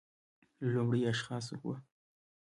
له لومړیو اشخاصو و